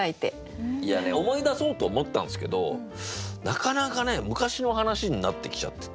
いやね思い出そうと思ったんですけどなかなかね昔の話になってきちゃってて。